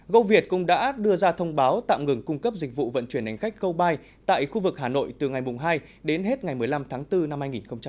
goviet cũng đã đưa ra thông báo tạm ngừng cung cấp dịch vụ vận chuyển hành khách gobile tại khu vực hà nội từ ngày hai đến hết ngày một mươi năm tháng bốn năm hai nghìn hai mươi